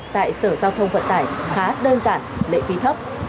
tại sở giao thông vận tải khá đơn giản lệ phí thấp